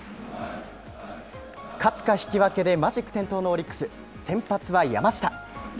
勝つか引き分けでマジック点灯のオリックス、先発は山下。